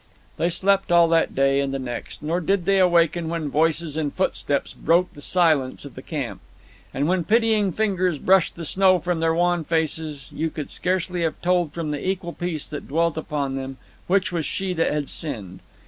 They slept all that day and the next, nor did they waken when voices and footsteps broke the silence of the camp. And when pitying fingers brushed the snow from their wan faces, you could scarcely have told from the equal peace that dwelt upon them which was she that had sinned.